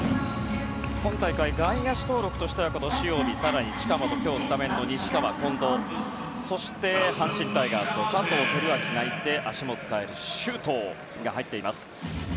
今大会外野手登録としては塩見更に近本今日スタメンの西川、近藤そして、阪神タイガースの佐藤輝明がいて足も使える周東が入っています。